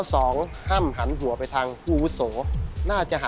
ข้อสองห้ามหันหัวไปทางผู้อาวุโส